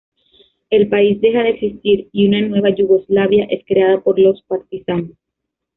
El país deja de existir, y una nueva Yugoslavia es creada por los partisanos.